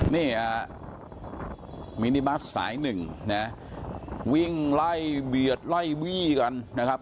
นี่ฮะมินิบัสสายหนึ่งนะวิ่งไล่เบียดไล่วี่กันนะครับ